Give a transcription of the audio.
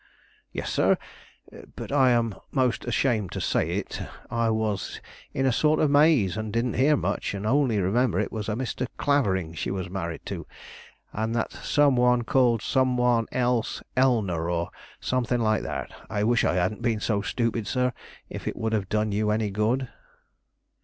"Yes, sir; but I am most ashamed to say it; I was in a sort of maze, and didn't hear much, and only remember it was a Mr. Clavering she was married to, and that some one called some one else Elner, or something like that. I wish I hadn't been so stupid, sir, if it would have done you any good."